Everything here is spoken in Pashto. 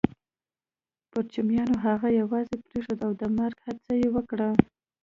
پرچمیانو هغه يوازې پرېښود او د مرګ هڅه يې وکړه